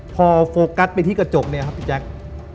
พอโฟกัสไปที่กระจกเนี่ยครับพี่แจ๊ค